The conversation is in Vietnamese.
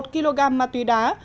một kg ma túy đá